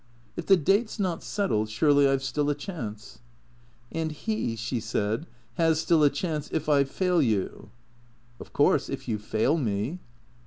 " If the date 's not settled, surely I 've still a chance ?"" And he," she said, " has still a chance if — I fail you ?"" Of course — if you fail me."